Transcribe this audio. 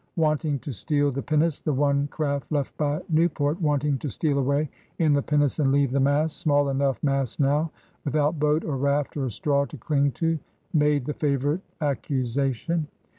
Wanting to steal the pinnace, the one craft left by Newport, wanting to steal away in the pinnace and leave the mass — small enough mass now! — without boat or raft or straw to ding to, made the favorite accusation.